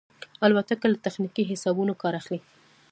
الوتکه له تخنیکي حسابونو کار اخلي.